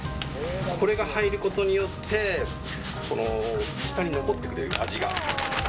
これが入ることによって舌に味が残ってくれる。